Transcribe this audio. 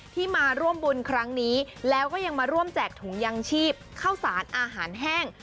ที่มาร่วมบุญครั้งนี้แล้วก็ยังมาร่วมแจกถุงยังชีพเข้าสารอาหารแห้ง